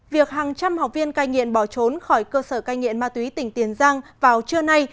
việc hàng trăm học viên cai nghiện bỏ trốn khỏi cơ sở cai nghiện ma túy tỉnh tiền giang vào trưa nay